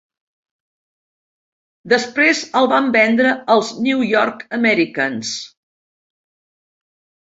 Després el van vendre als New York Americans.